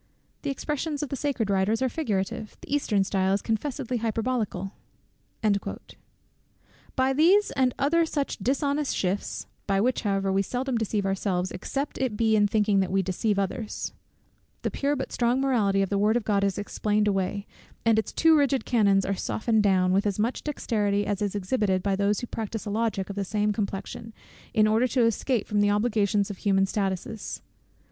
The expressions of the sacred Writers are figurative; the Eastern style is confessedly hyperbolical." By these and other such dishonest shifts (by which however we seldom deceive ourselves, except it be in thinking that we deceive others) the pure but strong morality of the word of God is explained away, and its too rigid canons are softened down, with as much dexterity as is exhibited by those who practise a logic of the same complexion, in order to escape from the obligations of human statutes.